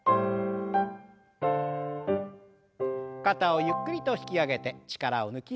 肩をゆっくりと引き上げて力を抜きます。